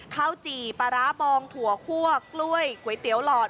จี่ปลาร้าบองถั่วคั่วกล้วยก๋วยเตี๋ยวหลอด